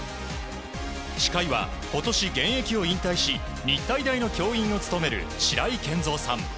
司会は、ことし、現役を引退し、日体大の教員を務める白井健三さん。